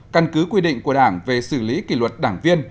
căn cứ quy định của đảng về xử lý kỷ luật đảng viên